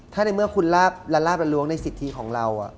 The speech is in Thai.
ถ้าในเมื่อคุณละลาบละล้วงในสิทธิของเรา